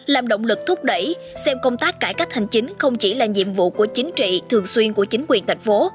làm động lực thúc đẩy xem công tác cải cách hành chính không chỉ là nhiệm vụ của chính trị thường xuyên của chính quyền thành phố